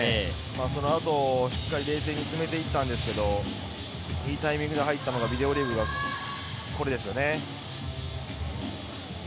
そのあとしっかり冷静に詰めていったんですけど、いいタイミングで入ったのがビデオレビュー、これですね。